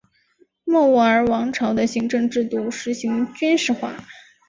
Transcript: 莫卧儿王朝的行政制度实行军事化。